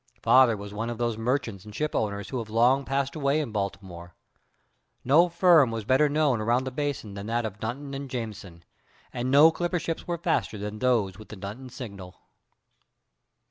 Father was one of those merchants and ship owners who have long passed away in Baltimore. No firm was better known around the Basin than that of Dunton & Jameson, and no clipper ships were faster than those with the Dunton signal.